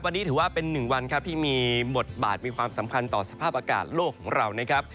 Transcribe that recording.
วันนี้ถือว่าเป็นหนึ่งวันครับที่มีบทบาทมีความสำคัญต่อสภาพอากาศโลกของเรานะครับ